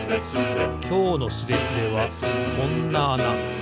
きょうのスレスレはこんなあな。